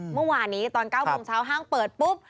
เมื่อวานี้ตอน๙โมงเช้าห้างเปิดปุ๊บ